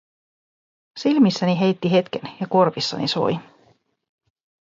Silmissäni heitti hetken ja korvissani soi.